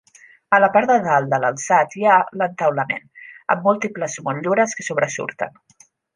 A la part de dalt de l'alçat hi ha l'entaulament, amb múltiples motllures que sobresurten.